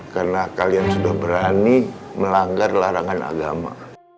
karena kalian sudah berani melanggar larangan agama